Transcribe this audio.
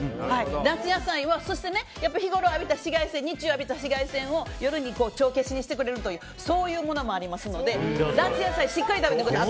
夏野菜は日ごろ浴びた紫外線日中浴びた紫外線を夜に帳消しにしてくれるというそういうものもありますので夏野菜をしっかり食べてください。